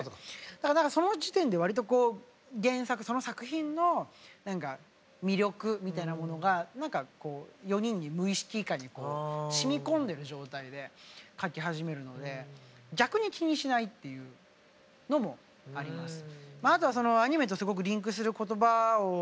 だからその時点でわりとこう原作その作品の魅力みたいなものが何かこう４人に無意識下にしみこんでる状態で書き始めるので逆に気にしないっていうのもあります。